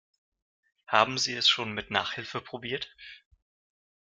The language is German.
Haben Sie es schon mit Nachhilfe probiert?